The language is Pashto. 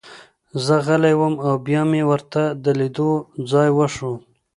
زه غلی وم او بیا مې ورته د لیدو ځای وښود